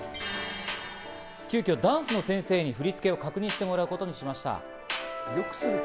急きょダンスの先生に振り付けを確認してもらうことにしました。